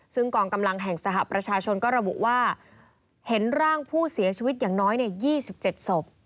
ซึ่งกองกำลังแห่งสหประชาชนก็ระบุว่าเห็นร่างผู้เสียชีวิตอย่างน้อย๒๗ศพ